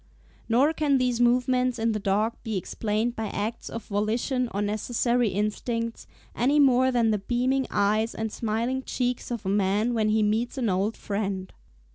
Nor can these movements in the dog be explained by acts of volition or necessary instincts, any more than the beaming eyes and smiling cheeks of a man when he meets an old friend.